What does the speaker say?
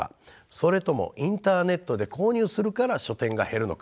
それともインターネットで購入するから書店が減るのか。